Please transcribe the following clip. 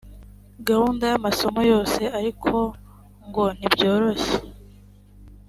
gahunda y amasomo yose ariko ngo ntibyoroshye